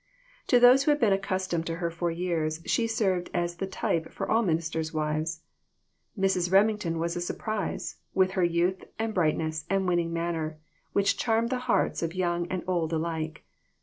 To those who had been accustomed to her for years, she served as the type for all minis ters' wives. Mrs. Remington was a surprise, with her youth and brightness and winning man ner, which charmed the hearts of young and old alike.